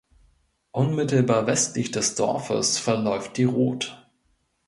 Unmittelbar westlich des Dorfes verläuft die Roth.